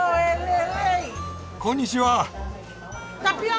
こんにちは！